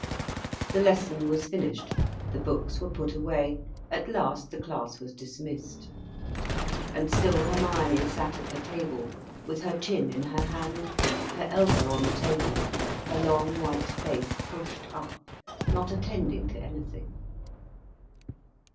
The lesson was finished, the books were put away, at last the class was dismissed. And still Hermione sat at the table, with her chin in her hand, her elbow on the table, her long white face pushed up, not attending to anything.